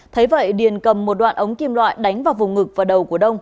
thấy vậy điền cầm một đoạn ống kim loại đánh vào vùng ngực và đầu của đông